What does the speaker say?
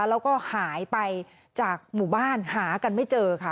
แล้วก็หายไปจากหมู่บ้านหากันไม่เจอค่ะ